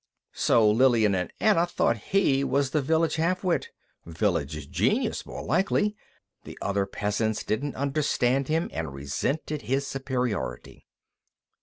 So Lillian and Anna thought he was the village half wit. Village genius, more likely; the other peasants didn't understand him, and resented his superiority.